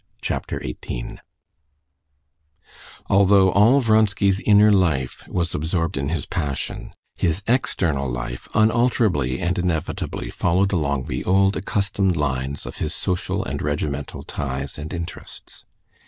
Chapter 18 Although all Vronsky's inner life was absorbed in his passion, his external life unalterably and inevitably followed along the old accustomed lines of his social and regimental ties and interests.